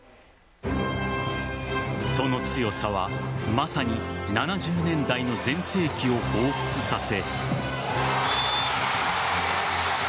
その強さは、まさに７０年代の全盛期を彷彿させ。